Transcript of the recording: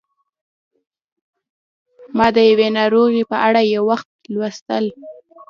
ما د یوې ناروغۍ په اړه یو وخت لوستل